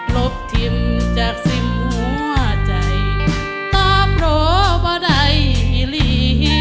ลบทิ้งจากสิ้มหัวใจต่อโปรบว่าได้หิลี